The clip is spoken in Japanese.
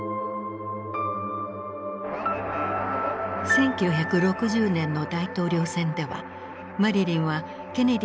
１９６０年の大統領選ではマリリンはケネディの選挙活動にも参加。